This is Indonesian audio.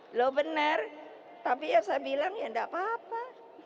lo benar tapi ya saya bilang ya tidak apa apa